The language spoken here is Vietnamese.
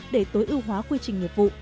để tối ưu hóa quy trình nghiệp vụ